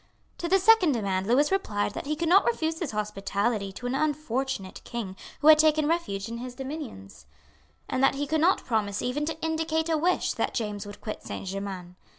To the second demand Lewis replied that he could not refuse his hospitality to an unfortunate king who had taken refuge in his dominions, and that he could not promise even to indicate a wish that James would quit Saint Germains.